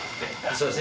そうです